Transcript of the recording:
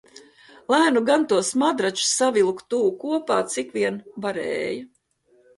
Lai nu gan tos matračus savilka tuvu kopā cik vien varēja.